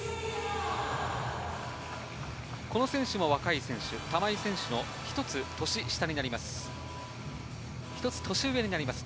この選手も若い選手、玉井選手の１つ年下になります。